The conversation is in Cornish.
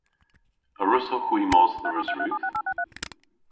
A wrussowgh hwi mos dhe Resrudh?